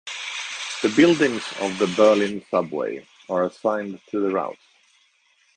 The buildings of the Berlin subway are assigned to the routes.